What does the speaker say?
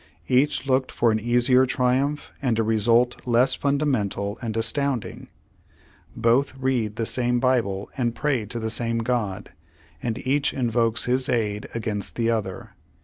Each looked for an easier triumph and a 22 Page One Hundred seventy result less fundamental and astounding. Both read the same Bible and pray to the same God, and each invokes His aid against the other.